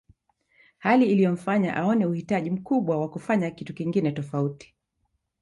Hali iliyomfanya aone uhitaji mkubwa wa kufanya kitu kingine tofauti